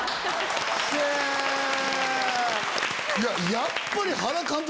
やっぱり。